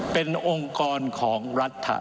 เป็นของรัฐบาล